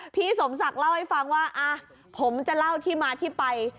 พี่สมศักดิ์เล่าให้ฟังว่าผมจะเล่าที่มาที่ไป